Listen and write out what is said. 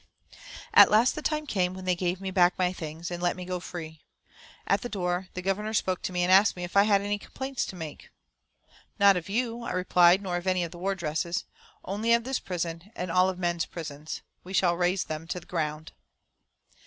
At last the time came when they gave me back all my things, and let me go free. At the door the Governor spoke to me, and asked me if I had any complaints to make. "Not of you," I replied, "nor of any of the wardresses. Only of this prison, and all of men's prisons. We shall raze them to the ground."